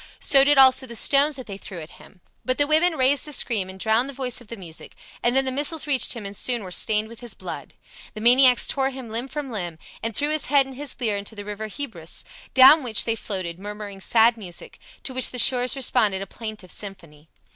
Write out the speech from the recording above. So did also the stones that they threw at him. But the women raised a scream and drowned the voice of the music, and then the missiles reached him and soon were stained with his blood. The maniacs tore him limb from limb, and threw his head and his lyre into the river Hebrus, down which they floated, murmuring sad music, to which the shores responded a plaintive symphony.